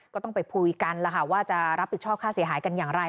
ก็ต้องไปคุยกันแล้วค่ะว่าจะรับผิดชอบค่าเสียหายกันอย่างไร